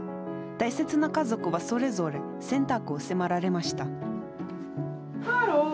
大切な家族は、それぞれ選択を迫られました。